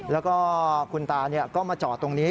แล้วก็คุณตาก็มาจอดตรงนี้